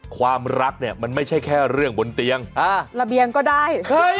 ความรักเนี่ยมันไม่ใช่แค่เรื่องบนเตียงระเบียงก็ได้